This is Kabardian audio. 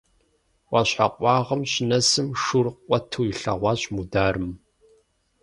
Ӏуащхьэ къуагъым щынэсым шур къуэту илъэгъуащ Мударым.